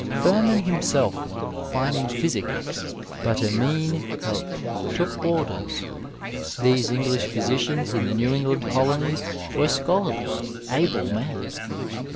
Firman himself, finding physio " but a meane helpe," took orders. These English phy sicians in the New England colonies were scholarly, able men.